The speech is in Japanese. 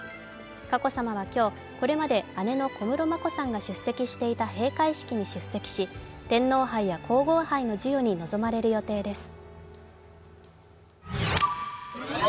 佳子さまは今日、これまで姉の小室眞子さんが出席していた閉会式に出席し天皇杯や皇后杯の授与に臨まれる予定です。